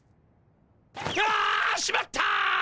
あ！しまった！